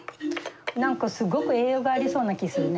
何かすごく栄養がありそうな気ぃするね。